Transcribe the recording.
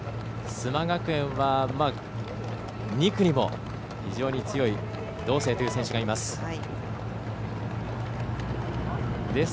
須磨学園は、２区にも非常に強い道清という選手がいます。